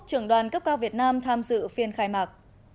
trưởng đoàn cấp cao việt nam tham dự phiên khai mạc